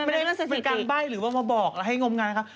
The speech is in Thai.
ไม่ได้การใบ้หรือว่ามาบอกให้งมงานครับ